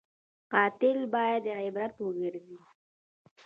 قاتل باید عبرت وګرځي